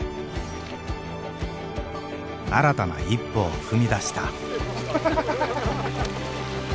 新たな一歩を踏み出した。